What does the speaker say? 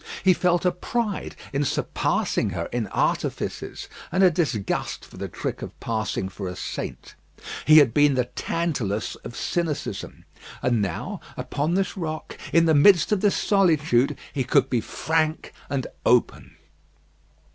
He felt a pride in surpassing her in artifices, and a disgust for the trick of passing for a saint. He had been the Tantalus of cynicism. And now, upon this rock, in the midst of this solitude, he could be frank and open.